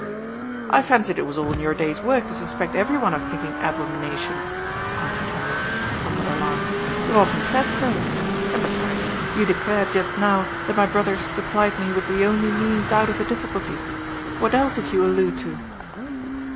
*' I fancied it was all in your day's work to suspect everyone of thinking abominations," answered Hendrik, somewhat alarmed. *^ You've often said so. And, besides, you declared just now that my brother supplied me with the only means out of the difficulty. What else did you allude to?"